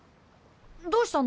どうしたの？